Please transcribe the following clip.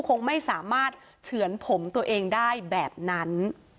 คงไม่สามารถเฉือนผมตัวเองได้แบบนั้น